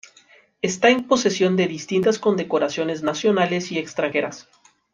Está en posesión de distintas condecoraciones nacionales y extranjeras.